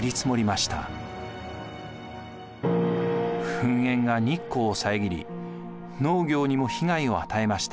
噴煙が日光を遮り農業にも被害を与えました。